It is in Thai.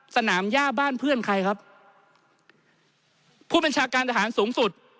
สนามย่าบ้านเพื่อนใครครับผู้บัญชาการทหารสูงสุด